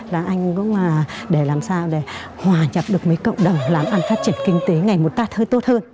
là anh cũng để làm sao để hòa nhập được mấy cộng đồng làm ăn phát triển kinh tế ngày một tát hơi tốt hơn